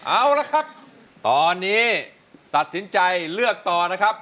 เอาละครับตอนนี้ตัดสินใจเลือกต่อนะครับ